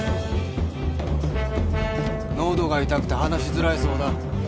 のどが痛くて話しづらいそうだ。